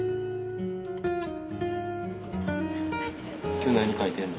今日何描いてんの？